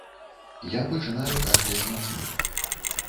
Я пачынаю кашляць мацней.